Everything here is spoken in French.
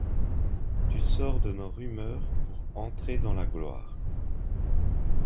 Tu sors de nos rumeurs pour entrer dans la gloire ;